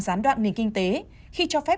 gián đoạn nền kinh tế khi cho phép